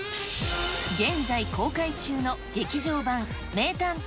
現在公開中の劇場版名探偵